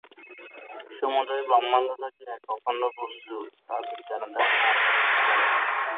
সমুদয় ব্রহ্মাণ্ডটা যে এক অখণ্ড বস্তু, তা বিজ্ঞানের দ্বারা প্রমাণ করা যেতে পারে।